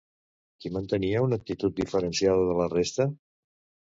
Qui mantenia una actitud diferenciada de la resta?